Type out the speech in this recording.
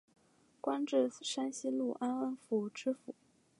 官至山西潞安府知府。